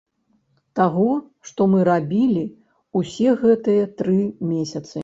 Таго, што мы рабілі ўсе гэтыя тры месяцы.